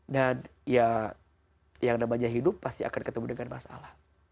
dan ya yang namanya hidup pasti akan ketemu dengan masalah